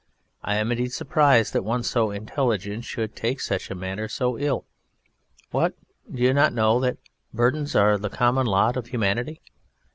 I am indeed surprised that one so intelligent should take such a matter so ill. What! Do you not know that burdens are the common lot of humanity?